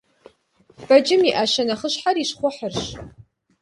Бэджым и Iэщэ нэхъыщхьэр и щхъухьырщ.